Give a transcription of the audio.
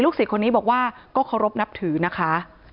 ศิษย์คนนี้บอกว่าก็เคารพนับถือนะคะ